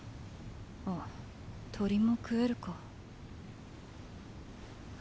あ鳥も食えるか。